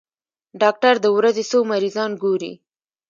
ډاکټر د ورځې څو مريضان ګوري؟